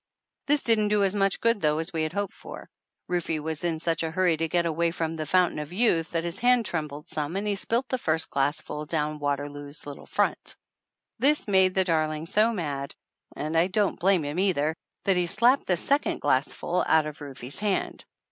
This didn't do as much good, though, as we had hoped for. Rufe was in such a hurry to get away from "The Foun tain of Youth" that his hand trembled some and he spilt the first glassful down Waterloo's little front. This made the darling so mad, and I don't blame him either, that he slapped the second glassful out of Rufe's hand.